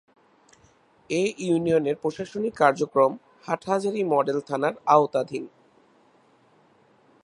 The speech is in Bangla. এ ইউনিয়নের প্রশাসনিক কার্যক্রম হাটহাজারী মডেল থানার আওতাধীন।